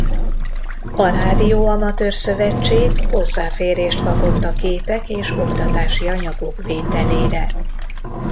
A Rádióamatőr Szövetség hozzáférést kapott a képek és oktatási anyagok vételére.